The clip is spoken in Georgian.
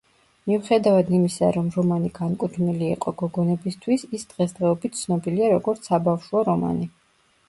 მიუხედავად იმისა, რომ რომანი განკუთვნილი იყო გოგონებისთვის, ის დღესდღეობით ცნობილია როგორც საბავშვო რომანი.